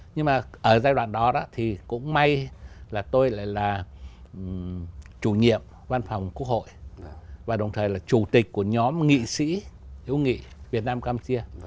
nhưng mà ở giai đoạn đó thì cũng may là tôi lại là chủ nhiệm văn phòng quốc hội và đồng thời là chủ tịch của nhóm nghị sĩ hiếu nghị việt nam campuchia